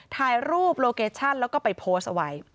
ถ่ายรูปโลเคชั่นแล้วก็ไปโพสต์เอาไว้